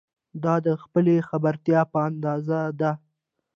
دا د خپلې خبرتیا په اندازه ده.